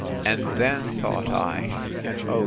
And then, thought I, (and oh!